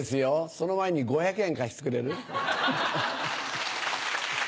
その前に５００円貸してくれる？